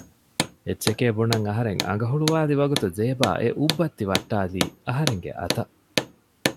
އެއްޗެކޭ ބުނަން އަހަރެން އަނގަ ހުޅުވއިލި ވަގުތު ޒޭބާ އެ އުއްބައްތި ވައްޓައިލީ އަހަރެންގެ އަތަށް